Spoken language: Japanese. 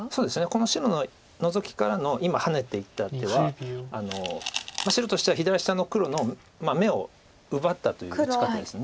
この白のノゾキからの今ハネていった手は白としては左下の黒の眼を奪ったという打ち方です。